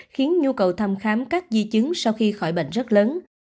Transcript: khiến nhu cầu thăm khám các di chứng sau khi khỏi bệnh rất lớn